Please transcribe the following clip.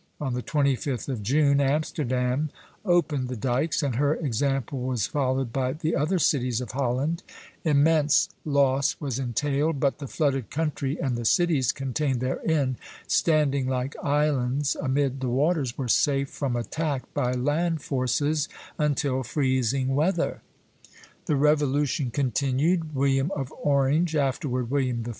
On the 25th of June Amsterdam opened the dykes, and her example was followed by the other cities of Holland; immense loss was entailed, but the flooded country and the cities contained therein, standing like islands amid the waters, were safe from attack by land forces until freezing weather. The revolution continued. William of Orange, afterward William III.